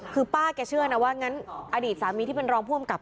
คือป้าแกเชื่อนะว่างั้นอดีตสามีที่เป็นรองผู้อำกับ